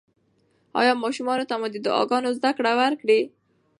ایا ماشومانو ته مو د دعاګانو زده کړه ورکړې؟